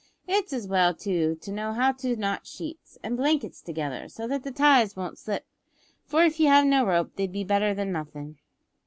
It's as well, too, to know how to knot sheets and blankets together, so that the ties won't slip, for if you have no rope they'd be better than nothin'.